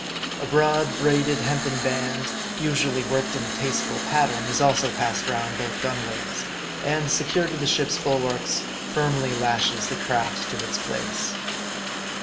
A broad, braided, hempen band, usually worked in a tasteful pattern, is also passed round both gunwales ; and secured to the ship's bulwarks, firmly lashes the craft to its place.